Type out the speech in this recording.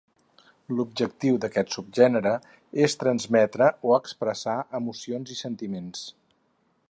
L'objectiu d'aquest subgènere és transmetre o expressar emocions i sentiments.